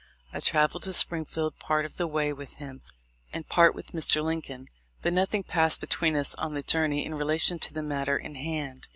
I travelled to Springfield part of the way with him, and part with Mr. Lincoln; but nothing passed between us on the journey in relation to the matter in hand.